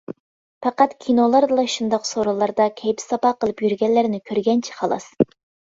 پەقەت كىنولاردىلا شۇنداق سورۇنلاردا كەيپ-ساپا قىلىپ يۈرگەنلەرنى كۆرگەنچە خالاس.